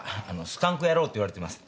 スカンク野郎って言われてます。